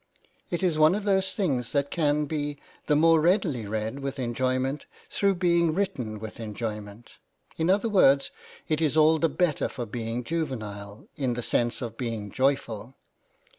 It is one of those things that can be the more readily read with enjoyment through being written with enjoyment ; in other words, it is all the better for being juvenile in the sense of being joyful.